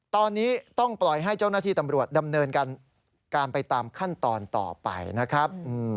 ตอนนี้ต้องปล่อยให้เจ้าหน้าที่ตำรวจดำเนินการไปตามขั้นตอนต่อไปนะครับ